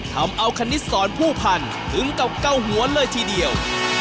ทำเอาคณิตสอนผู้พันถึงกับเกาหัวเลยทีเดียว